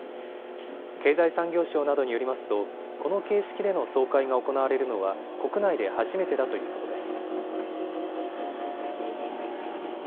経済産業省などによりますとこの形式での総会が行われるのは国内で初めてだということです。